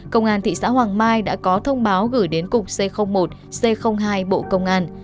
công an thị xã hoàng mai đã có thông báo gửi đến cục c một c hai bộ công an